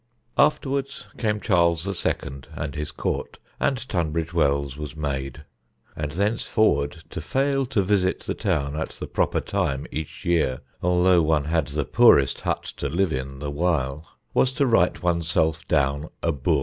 Afterwards came Charles II. and his Court, and Tunbridge Wells was made; and thenceforward to fail to visit the town at the proper time each year (although one had the poorest hut to live in the while) was to write one's self down a boor.